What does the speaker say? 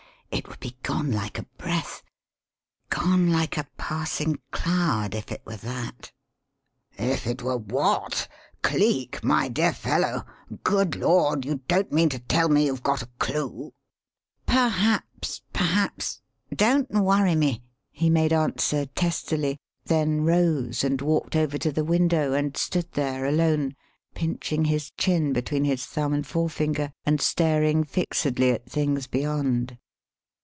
It would be gone like a breath, gone like a passing cloud if it were that." "If it were what? Cleek, my dear fellow! Good Lord! you don't mean to tell me you've got a clue?" "Perhaps perhaps don't worry me!" he made answer testily; then rose and walked over to the window and stood there alone, pinching his chin between his thumb and forefinger and staring fixedly at things beyond.